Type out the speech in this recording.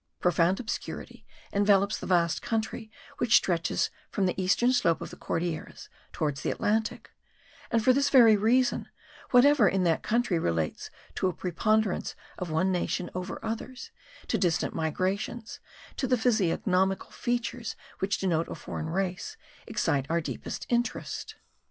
Profound obscurity envelops the vast country which stretches from the eastern slope of the Cordilleras towards the Atlantic; and for this very reason, whatever in that country relates to the preponderance of one nation over others, to distant migrations, to the physiognomical features which denote a foreign race, excite our deepest interest.